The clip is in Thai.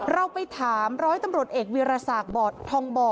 เราไปถามร้อยตำรวจเอกวิราศาสตร์บอร์ททองบ่อ